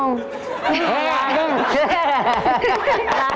น้ำนี่น้ำ